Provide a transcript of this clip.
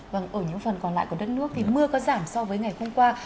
vâng ở những phần còn lại của đất nước thì mưa có giảm so với ngày hôm qua